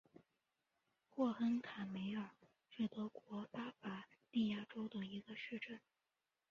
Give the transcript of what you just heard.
霍亨卡梅尔是德国巴伐利亚州的一个市镇。